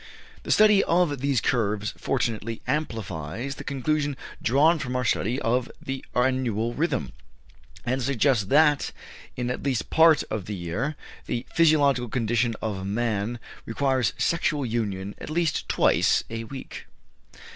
The study of these curves fortunately amplifies the conclusion drawn from our study of the annual rhythm, and suggests that, in at least part of the year, the physiological condition of man requires sexual union at least twice a week.